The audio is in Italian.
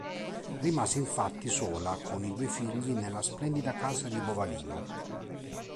Rimase, infatti, sola con i due figli nella splendida casa di Bovalino.